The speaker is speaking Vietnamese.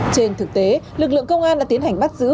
trên thực tế lực lượng công an đã tiến hành bắt giữ